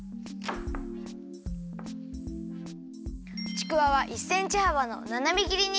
ちくわは１センチはばのななめぎりに。